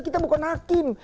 kita bukan hakim